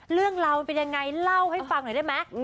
เรื่องราวมันเป็นยังไงเล่าให้ฟังหน่อยได้ไหม